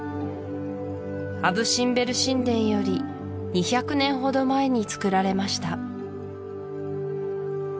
アブ・シンベル神殿より２００年ほど前につくられました